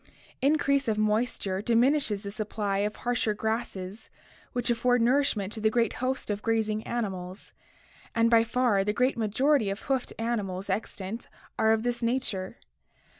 Increase of moisture diminishes the supply of harsher grasses which afford nourishment to the great host of grazing mammals, and by far the great majority of hoofed animals extant are of this nature.